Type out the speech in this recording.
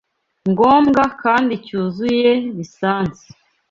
ngombwa kandi cyuzuye lisansi